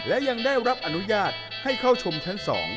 และยังได้รับอนุญาตให้เข้าชมชั้น๒